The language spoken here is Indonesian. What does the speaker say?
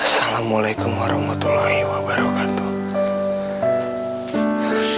assalamualaikum warahmatullahi wabarakatuh